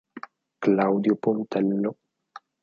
Claudio Pontello